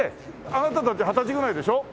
あなたたち２０歳ぐらいでしょ？